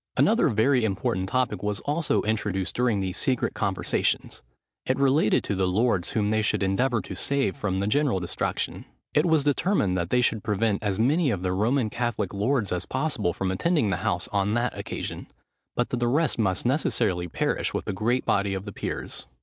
Another very important topic was also introduced during these secret conversations: it related to the lords whom they should endeavour to save from the general destruction. It was determined that they should prevent as many of the Roman Catholic lords as possible from attending the house on that occasion; but that the rest must necessarily perish with the great body of the peers.